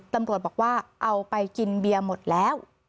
ตำรวจบอกว่าเอาไปกินเบียร์หมดแล้ว